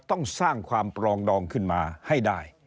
ต้องสร้างความปรองดองขึ้นมาให้ได้